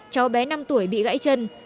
cháu bé năm tuổi bị gãy chân